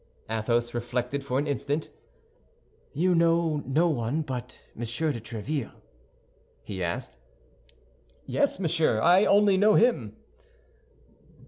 Athos reflected for an instant. "You know no one but Monsieur de Tréville?" he asked. "Yes, monsieur, I know only him."